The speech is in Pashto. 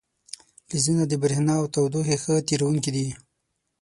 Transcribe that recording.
فلزونه د برېښنا او تودوخې ښه تیروونکي دي.